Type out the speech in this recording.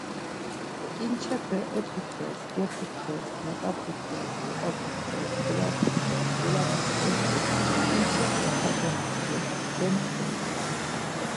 Ǩinçepe eputxez, geputxes meǩaputxez, moǩaputxez, elaputxez, gelaputxes do ǩinçite ntsa domtsxu, domtzǩupu.